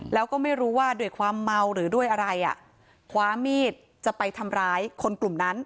แล้วก็ไม่รู้ว่าด้วยความเมาหรือด้วยอะไรอ่ะคว้ามีดจะไปทำร้ายคนกลุ่มนั้น